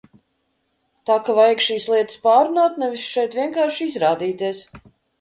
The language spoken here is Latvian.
Tā ka vajag šīs lietas pārrunāt, nevis šeit vienkārši izrādīties.